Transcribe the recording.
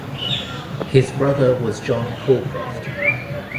His brother was John Calcraft.